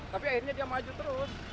tapi akhirnya dia maju terus